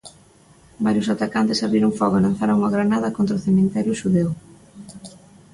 Varios atacantes abriron fogo e lanzaron unha granada contra un cemiterio xudeu.